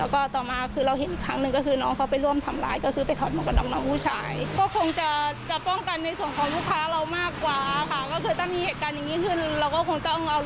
ก็คือถ้ามีเหตุการณ์อย่างนี้ขึ้นเราก็คงต้องเอารูค้าเราหลบก่อน